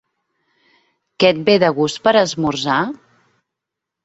Què et ve de gust per esmorzar?